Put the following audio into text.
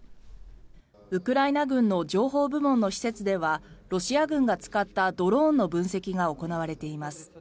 ウクライナ軍の情報部門の施設ではロシア軍が使ったドローンの分析が行われています。